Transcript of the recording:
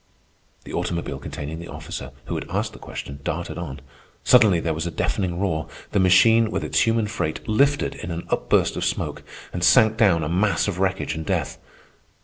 The automobile containing the officer who had asked the question darted on. Suddenly there was a deafening roar. The machine, with its human freight, lifted in an upburst of smoke, and sank down a mass of wreckage and death.